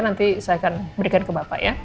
nanti saya akan berikan ke bapak ya